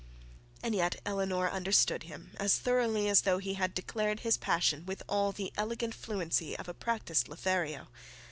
And yet Eleanor understood him as thoroughly as though he had declared his passion with all the elegant fluency of a practised Lothario.